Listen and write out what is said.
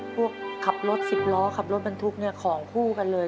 ขับรถ๑๐ล้อขับรถบรรทุกของคู่กันเลย